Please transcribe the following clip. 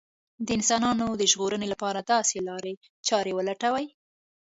د انسانانو د ژغورنې لپاره داسې لارې چارې ولټوي